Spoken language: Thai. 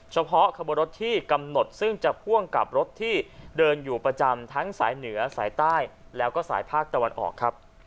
เฉพาะขบวนรถที่กำหนดซึ่งจะพ่วงกับรถที่เดินอยู่ประจำทั้งสายเหนือสายใต้แล้วก็สายภาคตะวันออกครับ